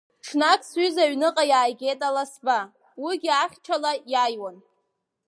Ҽнак сҩыза аҩныҟа иааигеит аласба, уигьы ахьча ла иаиуан.